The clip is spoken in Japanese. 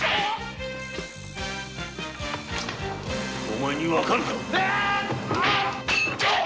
お前に分かるか！